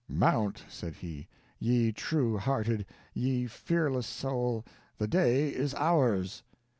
"Mount," said he, "ye true hearted, ye fearless soul the day is ours."